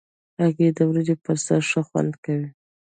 هګۍ د وریجو پر سر ښه خوند کوي.